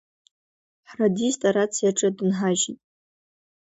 Ҳрадист арациаҿы дынҳажьит.